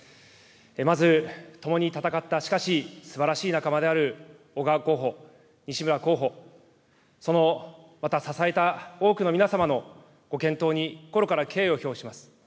まず共に戦った、しかしすばらしい仲間である小川候補、西村候補、そのまた支えた多くの皆様のご健闘に心から敬意を表します。